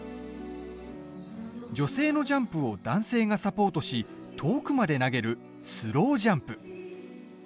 女性のジャンプを男性がサポートし遠くまで投げる、スロージャンプ。